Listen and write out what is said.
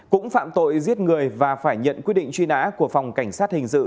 cũng phạm tội giết người và phải nhận quyết định truy nã của phòng cảnh sát hình sự